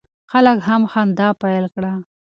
خلک هم خندا پیل کړه.